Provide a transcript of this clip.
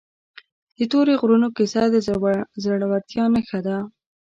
د تورې غرونو کیسه د زړورتیا نښه ده.